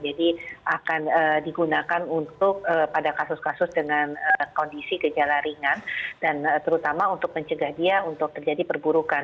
jadi akan digunakan untuk pada kasus kasus dengan kondisi gejala ringan dan terutama untuk mencegah dia untuk terjadi perburukan